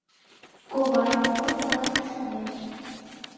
Ковай, мый тылат ӱшанем.